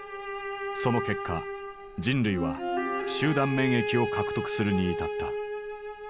その結果人類は集団免疫を獲得するに至った。